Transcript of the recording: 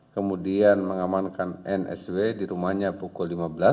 kemudian mengamankan n sw di rumahnya pukul lima belas